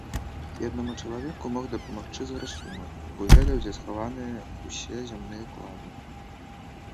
Беднаму чалавеку мог дапамагчы з грашыма, бо ведаў, дзе схаваныя ўсе зямныя клады.